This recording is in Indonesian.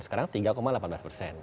sekarang tiga delapan belas persen